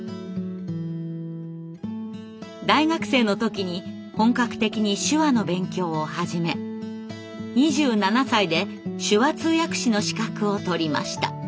大学生の時に本格的に手話の勉強を始め２７歳で手話通訳士の資格を取りました。